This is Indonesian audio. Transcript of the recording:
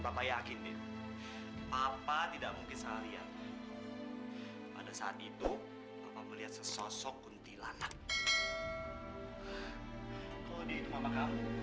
papa yakin apa tidak mungkin saling pada saat itu melihat sesosok kuntilanak